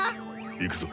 行くぞ。